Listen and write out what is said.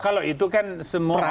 kalau itu kan semua